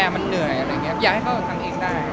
มันเหนื่อยอะไรอย่างนี้อยากให้เขาทำเองได้